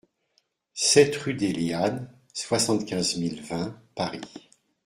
sept rue des Lyanes, soixante-quinze mille vingt Paris